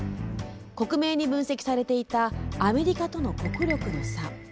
克明に分析されていたアメリカとの国力の差。